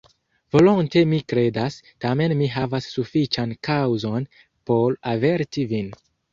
Volonte mi kredas; tamen mi havas sufiĉan kaŭzon, por averti vin.